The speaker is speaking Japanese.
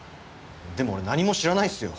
でも俺何も知らないですよ。